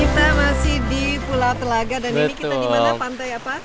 kita masih di pulau telaga dan ini kita di mana pantai apa